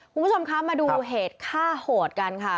คุณผู้ชมคะมาดูเหตุฆ่าโหดกันค่ะ